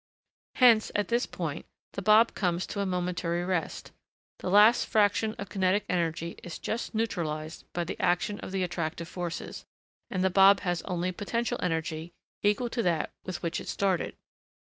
Hence, at this point, the bob comes to a momentary rest. The last fraction of kinetic energy is just neutralised by the action of the attractive forces, and the bob has only potential energy equal to that with which it started.